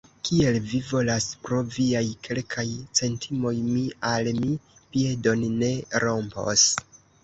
Kiel vi volas; pro viaj kelkaj centimoj mi al mi piedon ne rompos.